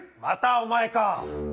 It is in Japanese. またお前か。